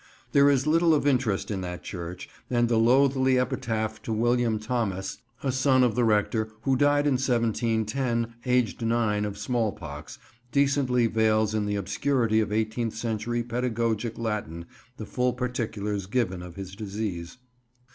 There is little of interest in that church, and the loathly epitaph to William Thomas, a son of the rector, who died in 1710, aged nine, of smallpox, decently veils in the obscurity of eighteenth century pedagogic Latin the full particulars given of his disease.